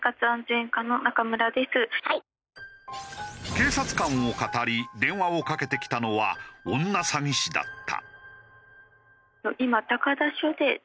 警察官をかたり電話をかけてきたのは女詐欺師だった。